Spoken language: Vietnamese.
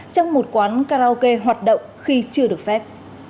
trong một quán karaoke hoạt động khi chưa được phép